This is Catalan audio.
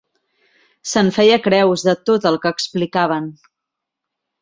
Se'n feia creus, de tot el que li explicaven.